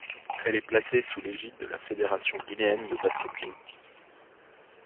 Elle est placée sous l'égide de la Fédération guinéenne de basket-ball.